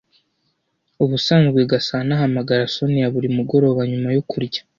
Ubusanzwe Gasana ahamagara Soniya buri mugoroba nyuma yo kurya.